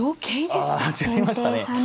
あ違いましたね。